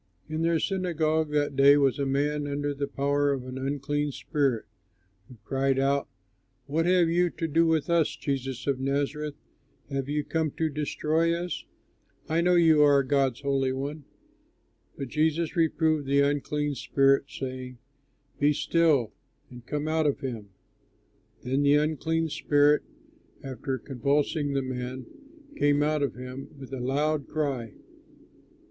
In their synagogue that day was a man under the power of an unclean spirit, who cried out, "What have you to do with us, Jesus of Nazareth? Have you come to destroy us? I know you are God's Holy One." But Jesus reproved the unclean spirit, saying, "Be still, and come out of him." Then the unclean spirit, after convulsing the man, came out of him with a loud cry.